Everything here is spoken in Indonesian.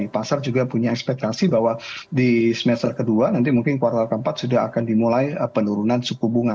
pasar juga punya ekspektasi bahwa di semester kedua nanti mungkin kuartal keempat sudah akan dimulai penurunan suku bunga